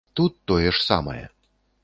Тут тое ж самае.